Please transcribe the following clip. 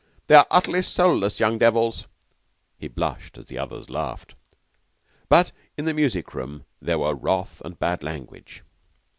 They are utterly soulless young devils." He blushed as the others laughed. But in the music room there were wrath and bad language.